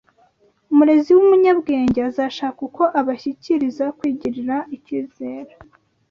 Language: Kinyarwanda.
umurezi w’umunyabwenge azashaka uko abashishikariza kwigirira icyizere